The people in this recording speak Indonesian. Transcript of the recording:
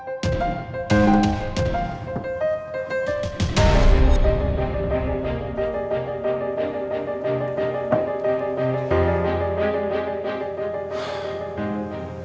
ternyata andi juga